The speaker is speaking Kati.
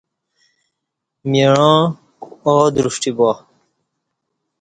مِعاں آو دُرشٹی با